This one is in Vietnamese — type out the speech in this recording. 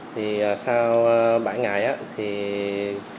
thì sau bảy ngày ổng có giải ngân ngay một triệu hai